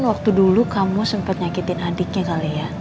waktu dulu kamu sempat nyakitin adiknya kali ya